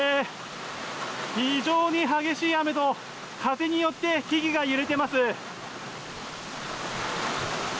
非常に激しい雨と風によって木々が揺れています。